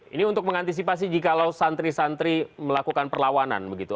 ini untuk mengantisipasi jika santri santri melakukan perlawanan